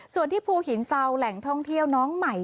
ส่วนที่ภูหินเซาแหล่งท่องเที่ยวน้องใหม่